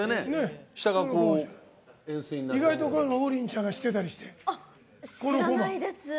意外と王林ちゃんが知ってたりして。